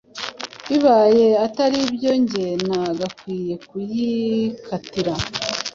Bibaye atari ibyo jye nagakwiye kuyikatira